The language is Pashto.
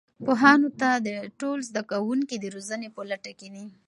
پوهانو ته ټول زده کوونکي د روزنې په لټه کې دي.